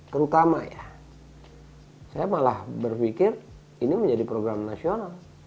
terutama ya saya malah berpikir ini menjadi program nasional